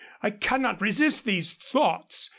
I cannot resist these thoughts.